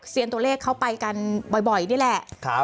ตัวเลขเขาไปกันบ่อยนี่แหละ